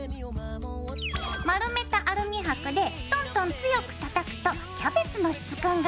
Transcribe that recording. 丸めたアルミはくでトントン強く叩くとキャベツの質感が出るよ。